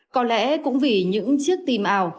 có lẽ cũng vì những chiếc tim ảo